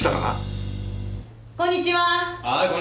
はいこんにちは。